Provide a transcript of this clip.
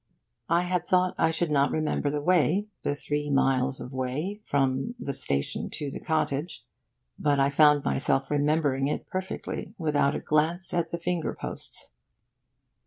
I had thought I should not remember the way, the three miles of way, from the station to the cottage; but I found myself remembering it perfectly, without a glance at the finger posts.